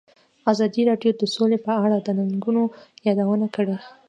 ازادي راډیو د سوله په اړه د ننګونو یادونه کړې.